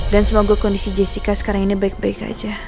dan semoga kondisi jessica sekarang ini baik baik aja